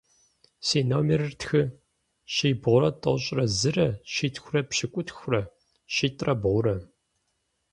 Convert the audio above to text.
Си номерыр тхы: щибгъурэ тӏощӏрэ зырэ - щитхурэ пщыкӏутхурэ – щитӏрэ бгъурэ.